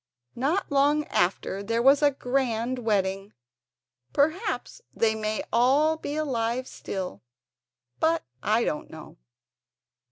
Not long after there was a grand wedding; perhaps they may all be alive still, but I don't know.